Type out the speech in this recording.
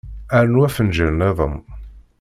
Rnu afenǧal niḍen.